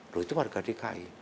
lalu itu warga dki